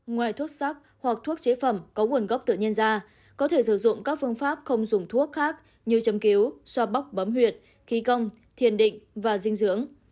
ngoài thuốc sắc hoặc thuốc chế phẩm có nguồn gốc tự nhiên da có thể sử dụng các phương pháp không dùng thuốc khác như chấm cứu soa bóc bấm huyệt khí công thiền định và dinh dưỡng